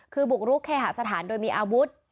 คือบุกรุกเคหาสถานโดยมีอาวุธ